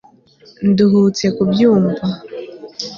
nduhutse kubyumva